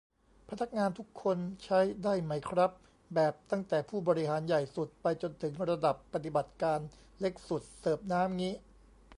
พนักงานทุกคนใช้ได้ไหมครับ แบบตั้งแต่ผู้บริหารใหญ่สุด ไปจนถึงระดับปฏิบัติการเล็กสุด เสิร์ฟน้ำงี้